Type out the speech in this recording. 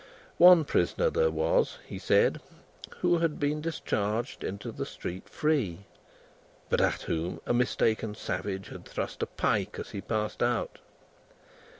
One prisoner there was, he said, who had been discharged into the street free, but at whom a mistaken savage had thrust a pike as he passed out.